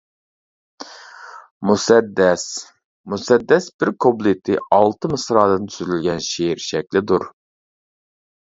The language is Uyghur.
مۇسەددەس مۇسەددەس بىر كۇپلېتى ئالتە مىسرادىن تۈزۈلگەن شېئىر شەكلىدۇر.